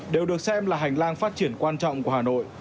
đều được xem là hành lang phát triển quan trọng của hà nội